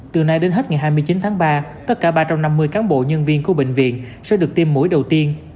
từ nay đến hết ngày hai mươi chín tháng ba tất cả ba trăm năm mươi cán bộ nhân viên của bệnh viện sẽ được tiêm mũi đầu tiên